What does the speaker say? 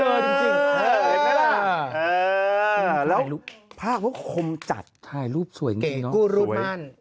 เฮ้อแล้วภาพก็คมจัดถ่ายรูปสวยจริงจริงเนาะกูรูปมัน